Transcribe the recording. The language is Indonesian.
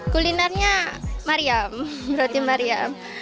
kulinernya maryam roti maryam